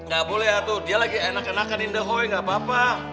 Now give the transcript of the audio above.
gak boleh ya tuh dia lagi enak enakan indah hoy gak apa apa